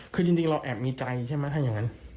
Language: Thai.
คือจริงเราแอบมีใจใช่ไหมถ้าอย่างนั้น